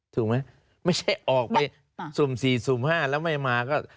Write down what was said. ถูกไหมไม่ใช่ออกไปสุ่ม๔สุ่ม๕แล้วไม่มาก็